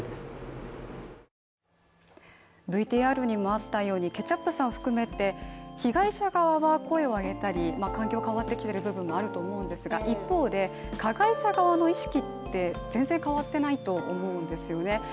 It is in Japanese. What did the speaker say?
ＶＴＲにもあったように、ケチャップさんを含めて被害者側が声を上げたり環境が変わってきている部分もあると思うんですが、一方で加害者側の意識って全然変わっていないと思うんですよね。